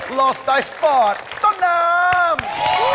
หล่อสไตล์สปอร์ตต้นน้ำ